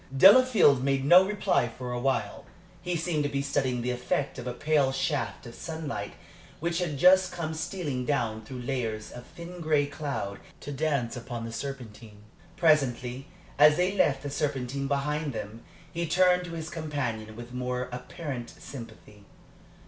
Delafield made no reply for a while. He seemed to be studying the effect of a pale shaft of sunlight which had just come stealing down through layers of thin gray cloud to dance upon the Serpentine. Presently, as they left the Serpentine behind them, he turned to his companion with more apparent sympathy.